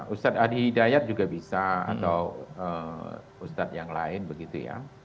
ustadz adi hidayat juga bisa atau ustadz yang lain begitu ya